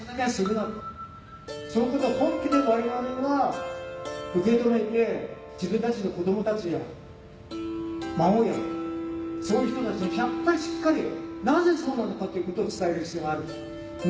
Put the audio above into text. そのことを本気で我々は受け止めて自分たちの子供たちや孫やそういう人たちにやっぱりしっかりなぜそうなのかってことを伝える必要がある。